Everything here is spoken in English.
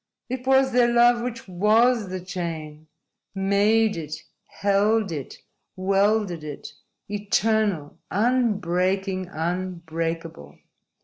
It was their love which WAS the chain made it, held it, welded it, eternal, unbreaking, unbreakable.